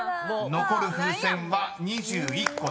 ［残る風船は２１個です］